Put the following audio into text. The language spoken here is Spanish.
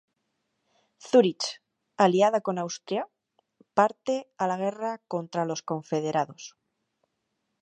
Zúrich, aliada con Austria, parte a la guerra contra los confederados.